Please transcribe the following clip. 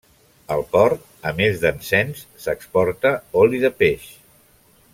Al port a més d'encens s'exporta oli de peix.